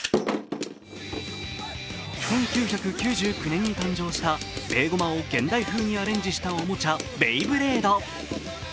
１９９９年の誕生したベーゴマを現代風にアレンジしたおもちゃ、ベイブレード。